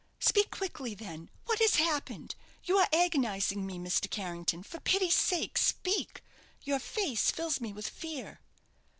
"Speak quickly, then. What has happened? You are agonizing me, Mr. Carrington for pity's sake, speak! Your face fills me with fear!"